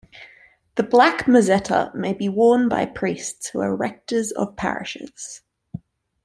The black mozzetta may be worn by priests who are rectors of parishes.